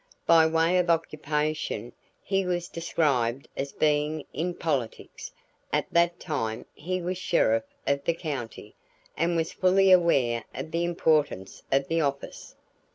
By way of occupation, he was described as being in "politics"; at that time he was sheriff of the county, and was fully aware of the importance of the office.